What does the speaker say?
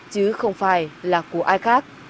chứ không phải là của ai khác